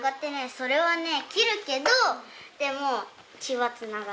それはね切るけどでも血はつながってる。